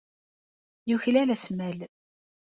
Yuklal asmal.